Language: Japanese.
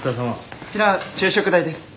こちら昼食代です。